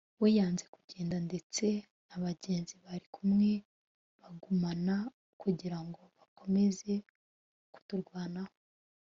we yanze kugenda ndetse na bagenzi bari kumwe baragumana kugira ngo bakomeze kuturwanaho